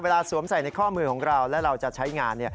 สวมใส่ในข้อมือของเราและเราจะใช้งาน